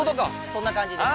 そんな感じです。